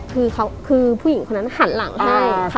คือผู้หญิงคนนั้นหันหลังให้